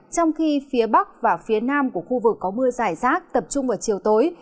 trong khi phía bắc và phía nam của khu vực có mưa giải rác tập trung vào chiều tối